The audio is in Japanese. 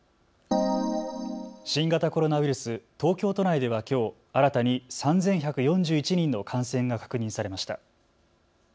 新型コロナウイルス、東京都内ではきょう新たに３１４１人の感染が確認されました。